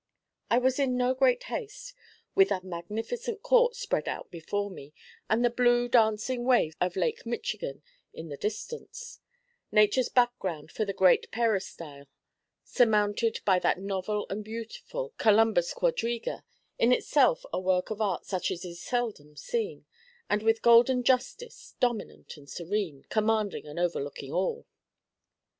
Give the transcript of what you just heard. I was in no haste, with that magnificent court spread out before me, and the blue dancing waves of Lake Michigan in the distance, Nature's background for the great Peristyle, surmounted by that novel and beautiful Columbus quadriga, in itself a work of art such as is seldom seen, and with golden Justice, dominant and serene, commanding and overlooking all.